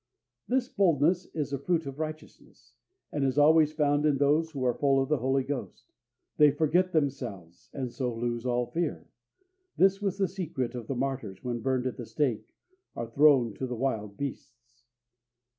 This boldness is a fruit of righteousness, and is always found in those who are full of the Holy Ghost. They forget themselves, and so lose all fear. This was the secret of the martyrs when burned at the stake or thrown to the wild beasts.